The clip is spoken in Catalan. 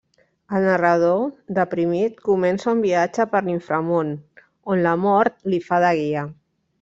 El narrador, deprimit, comença un viatge per l'inframón, on la Mort li fa de guia.